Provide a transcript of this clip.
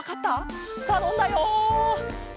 たのんだよ。